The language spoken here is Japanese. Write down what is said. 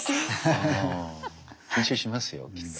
緊張しますよきっと。